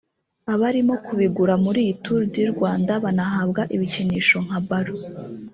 abarimo kubigura muri iyi Tour du Rwanda banahabwa ibikinisho nka ballon